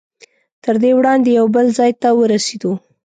تر دې وړاندې یو بل ځای ته ورسېدو.